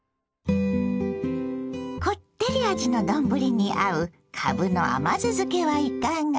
こってり味の丼に合うかぶの甘酢漬けはいかが。